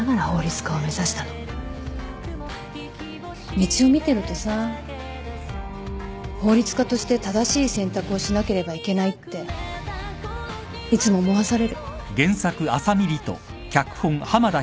みちお見てるとさ法律家として正しい選択をしなければいけないっていつも思わされる。